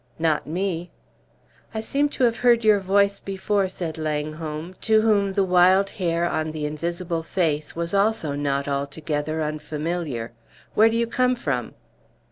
"Not me!" "I seem to have heard your voice before," said Langholm, to whom the wild hair on the invisible face was also not altogether unfamiliar. "Where do you come from?"